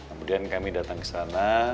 kemudian kami datang kesana